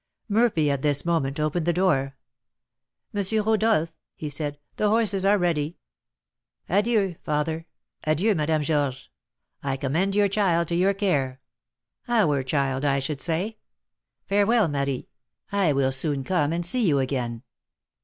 '" Murphy, at this moment, opened the door. "M. Rodolph," he said, "the horses are ready." "Adieu, father! adieu, Madame Georges! I commend your child to your care, our child, I should say. Farewell, Marie; I will soon come and see you again."